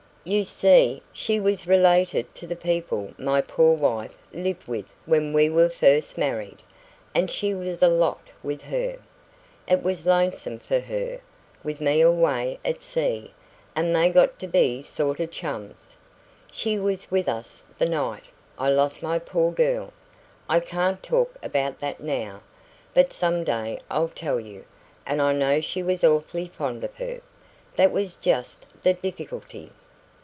"You see, she was related to the people my poor wife lived with when we were first married, and she was a lot with her it was lonesome for her, with me away at sea and they got to be sort of chums. She was with us the night I lost my poor girl I can't talk about that now, but some day I'll tell you and I know she was awfully fond of her. That was just the difficulty."